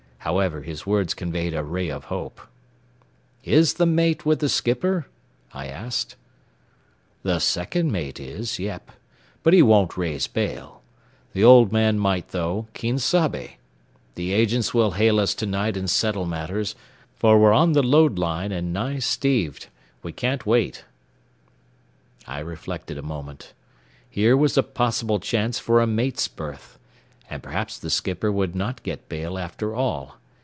However, his words conveyed a ray of hope. "Is the mate with the skipper?" I asked. "The second mate is, yep; but he won't raise bail. The old man might though, quien sabe? The agents will hail us to night and settle matters, for we're on the load line and nigh steved. We can't wait." I reflected a moment. Here was a possible chance for a mate's berth, and perhaps the skipper would not get bail, after all.